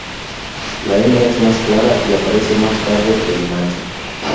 La hembra es más clara y aparece más tarde que el macho.